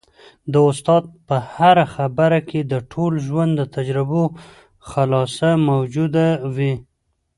د استاد په هره خبره کي د ټول ژوند د تجربو خلاصه موجوده وي.